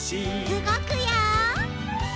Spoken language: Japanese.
うごくよ！